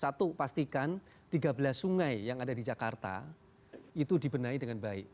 satu pastikan tiga belas sungai yang ada di jakarta itu dibenahi dengan baik